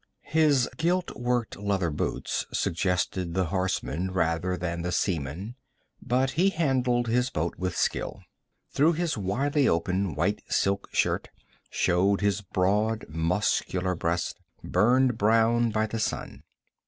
His gilt worked leather boots suggested the horseman rather than the seaman, but he handled his boat with skill. Through his widely open white silk shirt showed his broad muscular breast, burned brown by the sun.